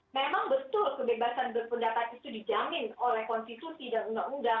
memang betul kebebasan berpendapat itu dijamin oleh konstitusi dan undang undang